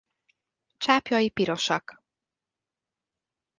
Csápjai pirosak.